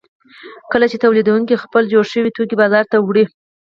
کله چې تولیدونکي خپل جوړ شوي توکي بازار ته وړي